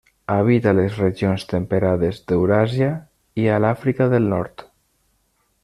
Habita les regions temperades d'Euràsia i a l'Àfrica del Nord.